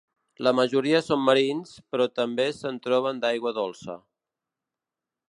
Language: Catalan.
La majoria són marins, però també se'n troben d'aigua dolça.